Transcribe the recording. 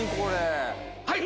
はい。